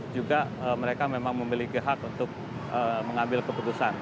juga mereka memang memiliki hak untuk mengambil keputusan